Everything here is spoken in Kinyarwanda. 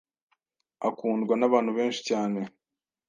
akundwa n’abantu benshi cyane